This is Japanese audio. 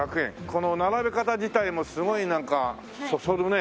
この並べ方自体もすごいなんかそそるね。